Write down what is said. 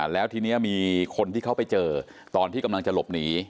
แล้วทีนี้มีคนที่เขาไปเจอตอนที่กำลังจะหลบหนี